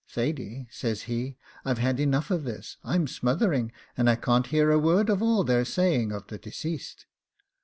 'Thady,' says he, 'I've had enough of this; I'm smothering, and can't hear a word of all they're saying of the deceased.